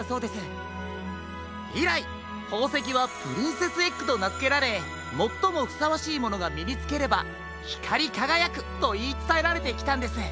いらいほうせきはプリンセスエッグとなづけられもっともふさわしいものがみにつければひかりかがやくといいつたえられてきたんです。